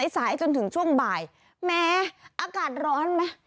สายจนถึงช่วงบ่ายแม้อากาศร้อนไหม